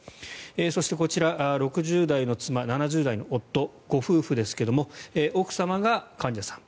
そして、こちらは６０代の妻７０代の夫ご夫婦ですが奥様が患者さん。